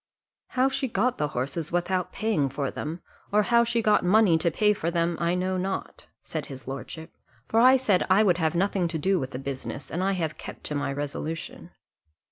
"How she got the horses without paying for them, or how she got money to pay for them, I know not," said his lordship; "for I said I would have nothing to do with the business, and I have kept to my resolution."